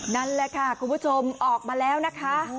นั่นแหละค่ะคุณผู้ชมออกมาแล้วนะคะ